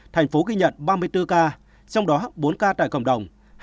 thành phố ghi nhận ba mươi bốn ca trong đó bốn ca tại cộng đồng